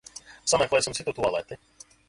Sameklēsim citu tualeti.